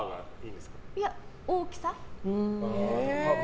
いや、大きさかな。